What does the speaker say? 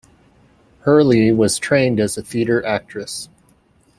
Herlie was trained as a theatre actress.